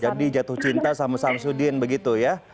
jadi jatuh cinta sama samsudin begitu ya